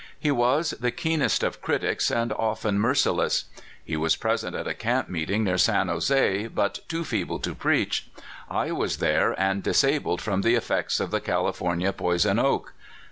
He was the keenest of critics, and often merci less. He was present at a camp meeting near San Jose, but too feeble to preach. I was there, and disabled from the effects of the California poison oak.